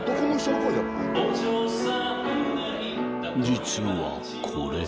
［実はこれ］